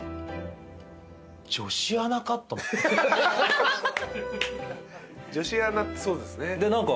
女子アナってそうですね。